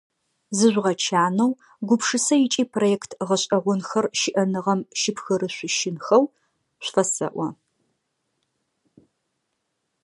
Зыжъугъэчанэу, гупшысэ ыкӏи проект гъэшӏэгъонхэр щыӏэныгъэм щыпхырышъущынхэу шъуфэсэӏо.